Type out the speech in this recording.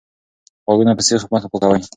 غوږونه په سیخ مه پاکوئ.